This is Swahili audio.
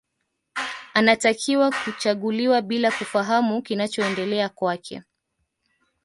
Anatakiwa kuchaguliwa bila kufahamu kinachoendelea kwake